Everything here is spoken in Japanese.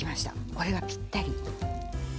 これがぴったり。